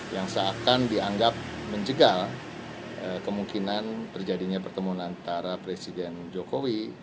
yang seakan dianggap menjegal kemungkinan terjadinya pertemuan antara presiden jokowi